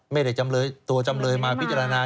ไม่ได้จำเลยตัวจำเลยมาพิจารณา